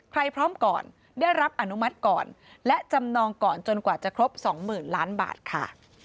พร้อมก่อนได้รับอนุมัติก่อนและจำนองก่อนจนกว่าจะครบสองหมื่นล้านบาทค่ะ